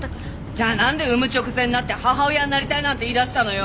じゃあなんで産む直前になって母親になりたいなんて言い出したのよ！？